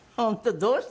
どうした？